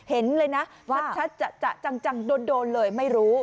เห็นเลยนะชัดจะจังโดนเลยไม่รู้